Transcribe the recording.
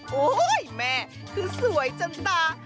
โอ้โหแม่คือสวยจนตา